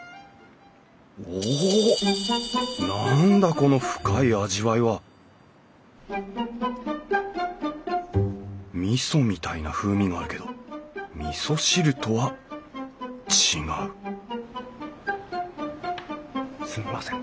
この深い味わいはみそみたいな風味があるけどみそ汁とは違うすみません。